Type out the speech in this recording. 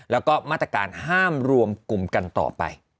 แล้วก็มาตรการห้ามรวมกลุ่มกันต่อไป